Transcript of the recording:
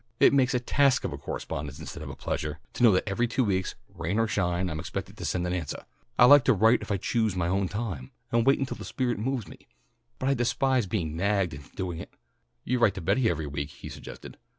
It makes a task of a correspondence instead of a pleasuah, to know that every two weeks, rain or shine, I'm expected to send an answah. I like to write if I can choose my own time, and wait till the spirit moves me, but I despise to be nagged into doing it." "You write to Betty every week," he suggested.